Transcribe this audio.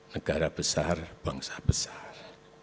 negara besar bangsa besar